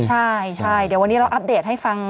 ใช่ใช่เดี๋ยววันนี้เราอัปเดตให้ฟัง